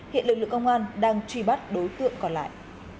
hiện lực lượng công an đang truy bắt đối tượng còn lại